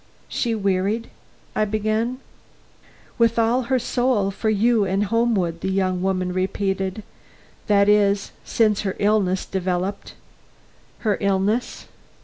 "She wearied " I began. "With all her soul for you and Homewood," the young woman repeated. "That is, since her illness developed." "Her illness?"